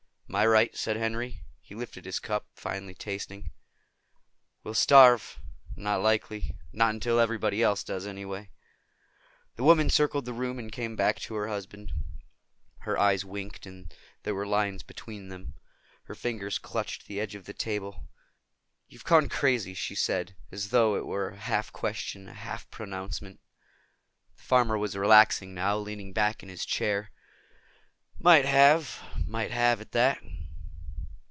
"My right," said Henry. He lifted his cup, finally, tasting. "We'll starve." "Not likely. Not until everybody else does, anyway." The woman circled the room and came back to her husband. Her eyes winked, and there were lines between them. Her fingers clutched the edge of the table. "You've gone crazy," she said, as though it were a half question, a half pronouncement. The farmer was relaxing now, leaning back in his chair. "Might have. Might have, at that."